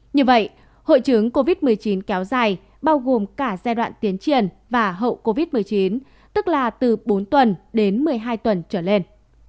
như vậy hội chứng covid một mươi chín kéo dài bao gồm cả giai đoạn tiến triển và hậu covid một mươi chín tức là từ bốn tuần đến một mươi hai tuần trở lên